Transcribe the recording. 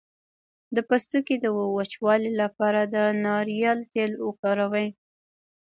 د پوستکي د وچوالي لپاره د ناریل تېل وکاروئ